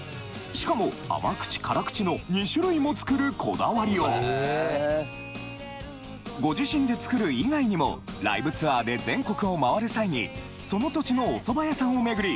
しかも甘口辛口の２種類も作るこだわりようご自身で作る以外にもライブツアーで全国を回る際にその土地のおそば屋さんを巡り